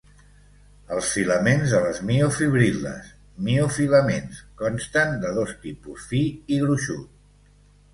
Els filaments de les miofibril·les, miofilaments, consten de dos tipus, fi i gruixut.